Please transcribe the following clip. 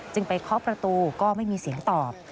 ไปเคาะประตูก็ไม่มีเสียงตอบ